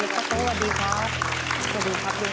ป๊าโต้สวัสดีครับ